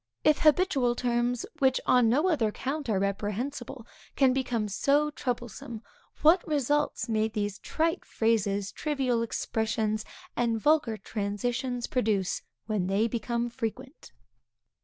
If habitual terms, which on no other account are reprehensible, can become so troublesome, what results may these trite phrases, trivial expressions, and vulgar transitions produce, when they become frequent!